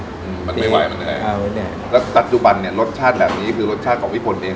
มันไม่ไหวมันเหนื่อยแล้วปัจจุบันเนี่ยรสชาติแบบนี้คือรสชาติของพี่ฝนเอง